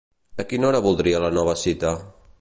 A quina hora voldria la nova cita?